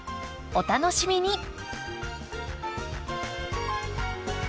お楽しみに！